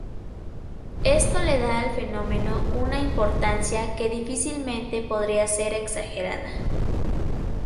Esto le da al fenómeno una importancia que difícilmente podría ser exagerada.